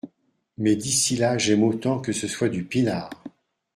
mais d’ici là j’aime autant que ce soit du pinard.